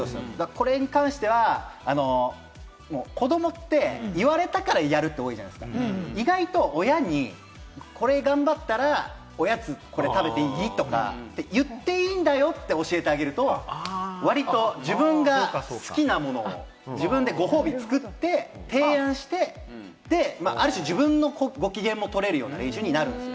これに関しては子どもって言われたからやる、意外と親に、これ頑張ったら、おやつこれ食べていいとか言っていいんだよって教えてあげると、割と自分が好きなものを、自分でご褒美を作って提案して、ある種、自分のご機嫌も取れるようになるんです。